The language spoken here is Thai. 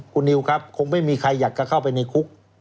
คุณนิวครับคงไม่มีใครอยากจะเข้าไปในคุก